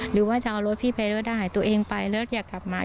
หรือว่าจะเอารถพี่ไปด้วยได้ตัวเองไปแล้วอยากกลับมา